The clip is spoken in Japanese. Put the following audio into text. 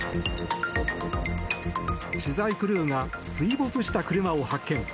取材クルーが水没した車を発見。